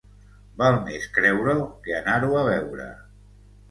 Val més creure-ho que anar-ho a veure.